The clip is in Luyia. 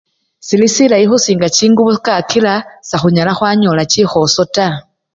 Sili silayi khusinga chingubo kakila sekjhunyala khwanyola chikhoso taa.